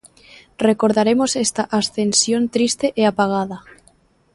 Recordaremos esta Ascensión triste e apagada.